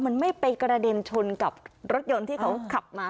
มันไม่ไปกระเด็นชนกับรถยนต์ที่เขาขับมา